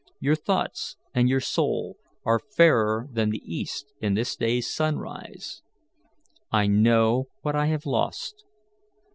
Your thoughts and your soul are fairer far than the east in this day's sunrise. I know what I have lost.